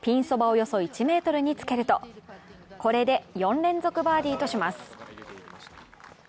およそ１ｍにつけるとこれで４連続バーディーとします。